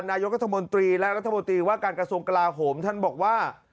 นายกรัฐมนตรีและรัฐมนตรีว่าการกระทรวงกลาโหมท่านบอกว่า